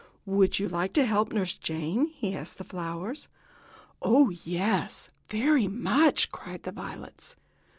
"Would you like to help Nurse Jane?" he asked the flowers. "Oh, yes, very much!" cried the violets.